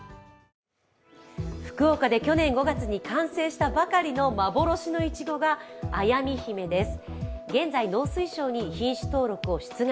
福岡で去年５月に完成したばかりの幻のいちごが綾美姫です。